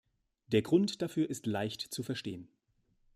Der Grund dafür ist leicht zu verstehen.